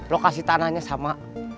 lokasi tanahnya sama